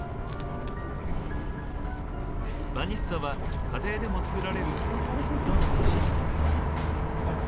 バニッツァは家庭でも作られるおふくろの味。